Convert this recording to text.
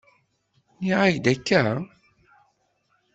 Nniɣ-ak-d akka?